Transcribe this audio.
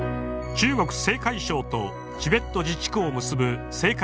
中国・青海省とチベット自治区を結ぶ青海